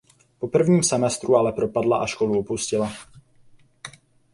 Po prvním semestru ale propadla a školu opustila.